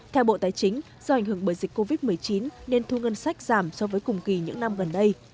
theo bộ tài chính do ảnh hưởng bởi dịch covid một mươi chín nên thu ngân sách giảm so với cùng kỳ những năm gần đây